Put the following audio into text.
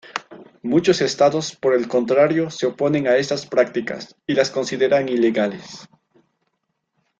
Muchos Estados, por el contrario, se oponen a estas prácticas y las consideran ilegales.